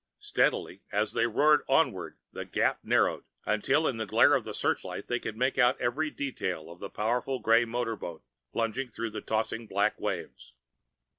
Steadily as they roared onward the gap narrowed, until in the glare of the searchlight they could make out every detail of the powerful gray motor boat plunging through the tossing black waves.